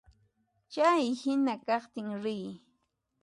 Chay hina kaqtin riy.